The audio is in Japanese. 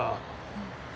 うん。